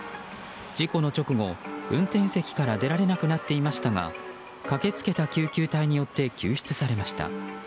事故の直後、運転席から出られなくなっていましたが駆けつけた救急隊によって救出されました。